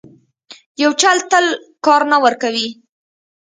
یو چل تل کار نه ورکوي.